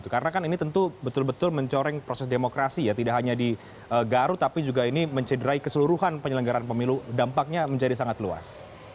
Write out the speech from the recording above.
karena kan ini tentu betul betul mencoreng proses demokrasi ya tidak hanya di garut tapi juga ini mencederai keseluruhan penyelenggaran pemilu dampaknya menjadi sangat luas